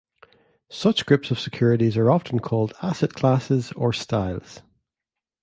Such groups of securities are often called "asset classes" or "styles".